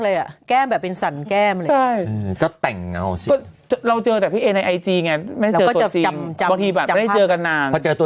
เลยอ่ะแก้มแบบเป็นสันแก้มก็มีตังค์เหงาไม่เจอกันนานจะ